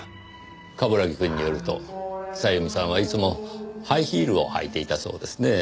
冠城くんによるとさゆみさんはいつもハイヒールを履いていたそうですね。